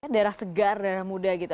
darah segar darah muda gitu